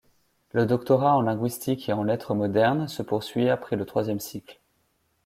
Le doctorat en linguistique et en lettres modernes se poursuit après le troisième cycle.